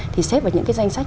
thì xếp vào những cái danh sách